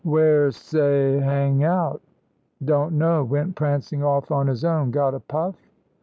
"Wheresey hang out?" "Don't know. Went prancing off on his own. Got a puff?"